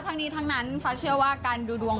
ทั้งนี้ทั้งนั้นฟ้าเชื่อว่าการดูดวง